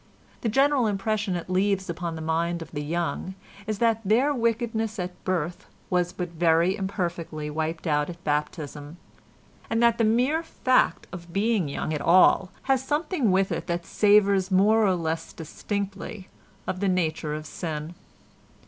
The general impression it leaves upon the mind of the young is that their wickedness at birth was but very imperfectly wiped out at baptism, and that the mere fact of being young at all has something with it that savours more or less distinctly of the nature of sin.